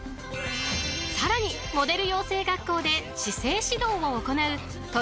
［さらにモデル養成学校で姿勢指導を行う］